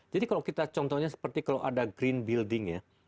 jadi kalau kita contohnya seperti kalau ada green building ya